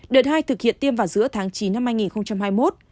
đợt hai thực hiện tiêm vào giữa tháng chín năm hai nghìn hai mươi một